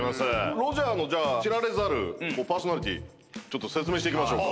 ロジャーの知られざるパーソナリティー説明していきましょうか。